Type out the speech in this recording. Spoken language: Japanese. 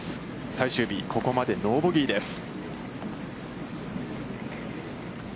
最終日、ここまでノーボギーです。